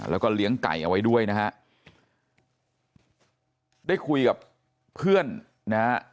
แล้วก็เลี้ยงไก่เอาไว้ด้วยนะฮะได้คุยกับเพื่อนนะฮะ